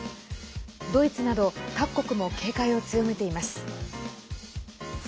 ドイツなど各国も警戒を強めています。